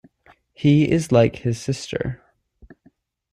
He is like his sister.